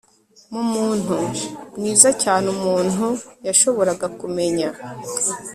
mumuntu mwiza cyane umuntu yashoboraga kumenya